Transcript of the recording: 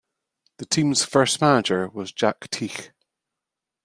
The teams' first manager was Jack Tighe.